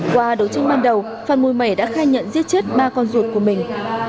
qua đấu tranh ban đầu phan mùi mẩy đã khai nhận giết chết ba con ruột của mình